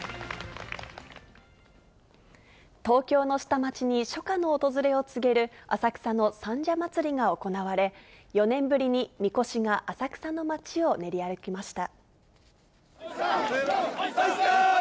東京の下町に初夏の訪れを告げる浅草の三社祭が行われ、４年ぶりにみこしが浅草の町を練り歩きました。